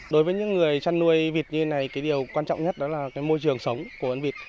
đối với những người chăn nuôi vịt như thế này cái điều quan trọng nhất đó là môi trường sống của vịt